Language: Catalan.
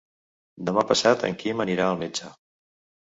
Demà passat en Quim anirà al metge.